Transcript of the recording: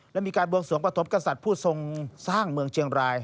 และมีการบวงสวงประถมกษัตริย์ผู้ทรงสร้างเมืองเชียงราย